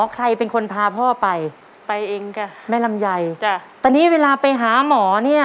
ใครเป็นคนพาพ่อไปไปเองจ้ะแม่ลำไยจ้ะตอนนี้เวลาไปหาหมอเนี่ย